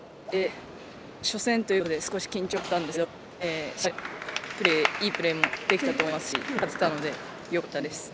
初戦ということで少し緊張もあったんですけどしっかり、いいプレーもできたと思いますし勝てたので、よかったです。